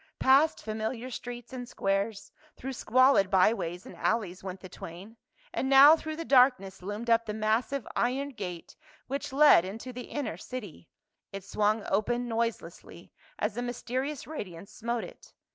Past familiar streets and squares, through squalid byways and alleys went the twain, and now through the darkness loomed up the massive iron gate which led into the inner city ; it swung open noiselessly as the mysteri ous radiance smote it.